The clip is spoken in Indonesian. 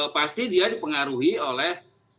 pasti dia dipengaruhi oleh